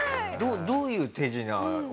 どういう手品を？